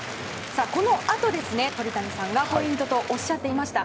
このあと、鳥谷さんがポイントとおっしゃっていました